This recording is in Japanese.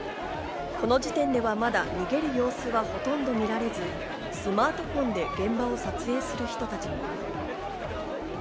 この時点ではまだ逃げる様子はほとんど見られず、スマートフォンで現場を撮影する人たちも。